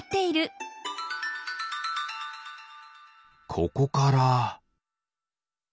ここから。